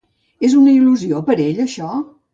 És una il·lusió per ell això?